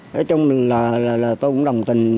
nói chung là tôi cũng đồng tình